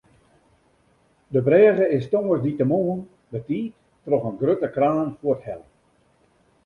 De brêge is tongersdeitemoarn betiid troch in grutte kraan fuorthelle.